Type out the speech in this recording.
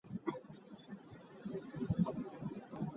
Shown in order from highest to lowest.